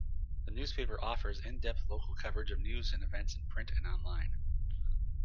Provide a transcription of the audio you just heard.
The newspaper offers in-depth local coverage of news and events in print and online.